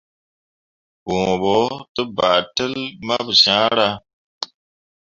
Bõo ɓo te ba teli mamu ciira.